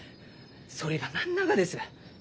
それが何ながです？